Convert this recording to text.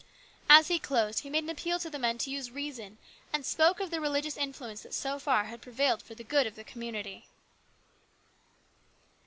As he closed, he made an appeal to the men to use reason, and spoke of the religious influence that so far had prevailed for the good of the community.